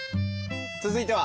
続いては？